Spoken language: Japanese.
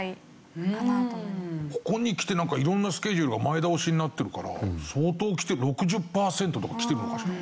ここにきて色んなスケジュールが前倒しになってるから相当きてる６０パーセントとかきてるのかしら。